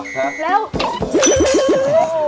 แล้ว